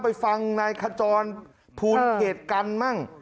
ไปฟังนายขจรภูลเขตกันบ้าง